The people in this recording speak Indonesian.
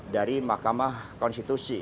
dari mahkamah konstitusi